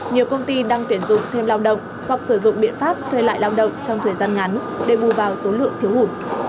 nhiều công ty đang tuyển dụng thêm lao động hoặc sử dụng biện pháp thuê lại lao động trong thời gian ngắn để bù vào số lượng thiếu hụt